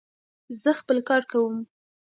زه خپل کار کوم.